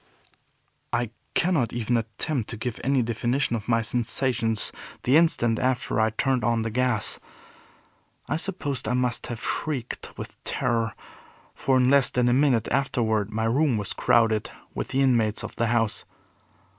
I cannot even attempt to give any definition of my sensations the instant after I turned on the gas. I suppose I must have shrieked with terror, for in less than a minute afterward my room was crowded with the inmates of the house.